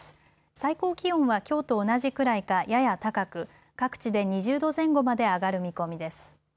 最高気温はきょうと同じくらいかやや高く、各地で２０度前後まで上がる見込みです。